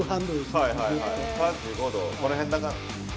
３５度この辺だな。